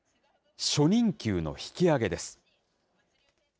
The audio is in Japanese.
初任給の引き上げです。